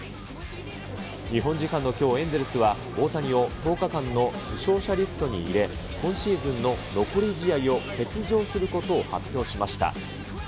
日本時間のきょう、エンゼルスは大谷を１０日間の負傷者リストに入れ、今シーズンの残り試合を欠場することを発表しました。